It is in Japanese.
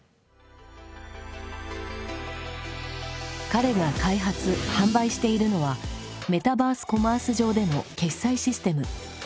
彼が開発販売しているのはメタバースコマース上での決済システム。